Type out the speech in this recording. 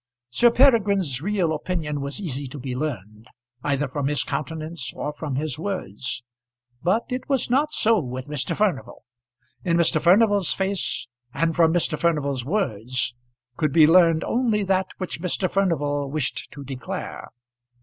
Sir Peregrine's real opinion was easily to be learned, either from his countenance or from his words; but it was not so with Mr. Furnival. In Mr. Furnival's face, and from Mr. Furnival's words, could be learned only that which Mr. Furnival wished to declare.